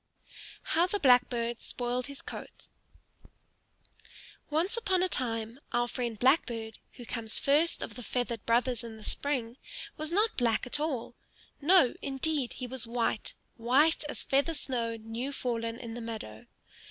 HOW THE BLACKBIRD SPOILED HIS COAT Once upon a time, our friend Blackbird, who comes first of the feathered brothers in the spring, was not black at all. No, indeed; he was white white as feather snow new fallen in the meadow.